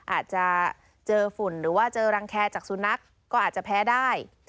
อาจจะเจอฝุ่นหรือว่าเจอรังแคร์จากสุนัขก็อาจจะแพ้ได้